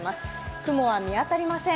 雲は見当たりません。